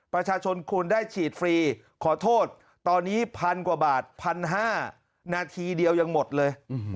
ประชาชนควรได้ฉีดฟรีขอโทษตอนนี้พันกว่าบาท๑๕๐๐นาทีเดียวยังหมดเลย